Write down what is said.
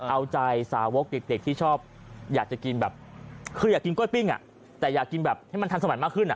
เอาใจสาวกเด็กที่ชอบอยากจะกินแบบคืออยากกินกล้วยปิ้งแต่อยากกินแบบให้มันทันสมัยมากขึ้น